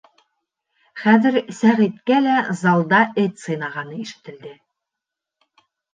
Хәҙер Сәғиткә лә залда эт сыйнағаны ишетелде.